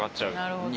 なるほど。